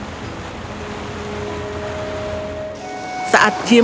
dia menemukan ayahnya yang berubah